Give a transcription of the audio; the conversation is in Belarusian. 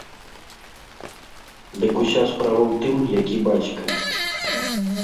Дык уся справа ў тым, які бацька.